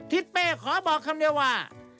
ทิศเป้ขอบอกคำเดียวว่า